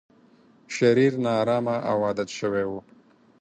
شرير، نا ارامه او عادت شوی و.